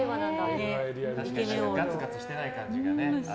確かにガツガツしてない感じがね。